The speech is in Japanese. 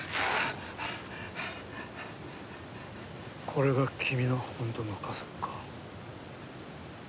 これが君の本当の家族か。